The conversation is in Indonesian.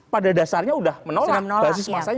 pada dasarnya sudah menolak basis masanya